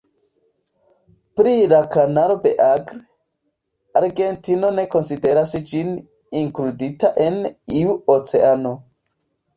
Pri la kanalo Beagle, Argentino ne konsideras ĝin inkludita en iu oceano.